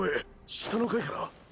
下の階から？